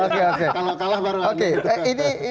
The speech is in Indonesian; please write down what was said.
kalau kalah baru aneh